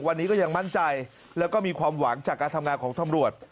วันนี้ก็ยังมั่นใจแล้วก็มีความหวังจากการทำงานของตำรวจ